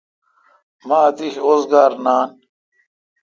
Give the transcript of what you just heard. مہ اتش اوزگار نان۔